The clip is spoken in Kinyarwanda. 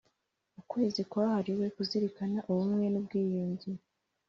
Ukwezi kwahariwe kuzirikana ubumwe n ubwiyunge